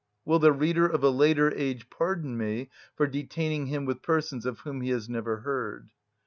Will the reader of a later age pardon me for detaining him with persons of whom he has never heard.